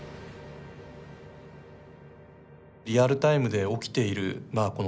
リアルタイムで起きているまあ